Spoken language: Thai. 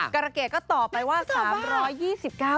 กรเกดก็ตอบไปว่า๓๒๙บาท